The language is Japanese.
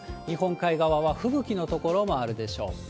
日本海側は吹雪の所もあるでしょう。